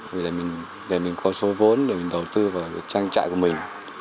vì để mình có số vốn để mình đầu tư vào trang trại của mình